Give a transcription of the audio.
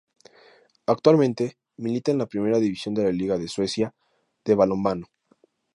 Actualmente milita en la Primera División de la Liga de Suecia de balonmano.